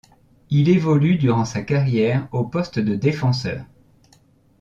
Il évolue durant sa carrière au poste de défenseur.